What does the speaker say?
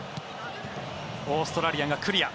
オーストラリアがクリア。